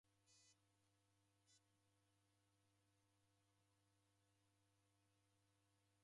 Nekunda nimanye kupoisa vidasi niuze.